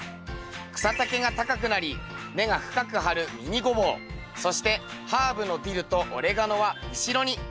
草丈が高くなり根が深く張るミニゴボウそしてハーブのディルとオレガノは後ろに。